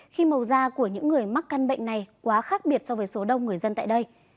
khi màu da của những người mắc căn bệnh này quá khác biệt so với số đông người dân tại đây